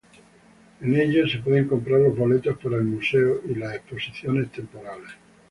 En ella se pueden comprar los boletos para el Museo y las exposiciones temporales.